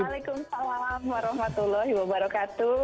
waalaikumsalam warahmatullahi wabarakatuh